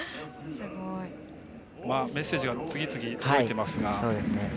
メッセージが次々届いていますが。